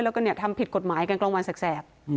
แล้วก็ทำผิดกฎหมายกันกลางวันแสก